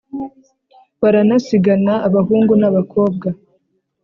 Baranasigana abahungu, na bakobwa